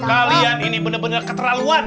kalian ini bener bener keterlaluan